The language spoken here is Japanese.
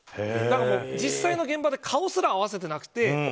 だから、実際の現場で顔すら合わせてなくて。